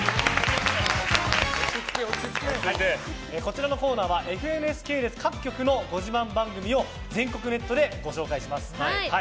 こちらのコーナーはＦＮＳ系列各局のご自慢番組を全国ネットでご紹介します。